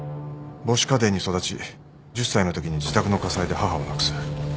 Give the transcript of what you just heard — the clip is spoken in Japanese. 母子家庭に育ち１０歳のときに自宅の火災で母を亡くす。